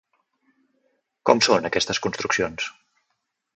Com són aquestes construccions?